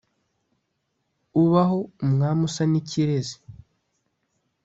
Ubaho Umwami usa n’ ikirezi.